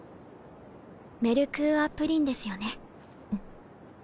メルクーアプリンですよね。